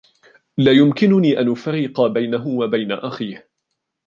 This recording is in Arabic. لا يمكنني أن أفرّق بينه وبين أخيه.